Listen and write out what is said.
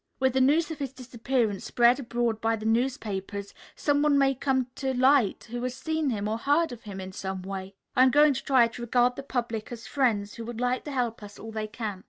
With the news of his disappearance spread abroad by the newspapers, some one may come to light who has seen him or heard of him in some way. I am going to try to regard the public as friends who would like to help us all they can."